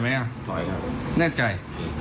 ถ้าเขาไม่ถอยเราจะถอย